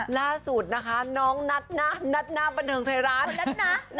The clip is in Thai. ล่าสุดนะคะน้องนัทนานัทนาบันทั้งทายร้าน